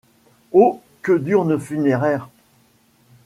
Oh ! que d'urnes funéraires !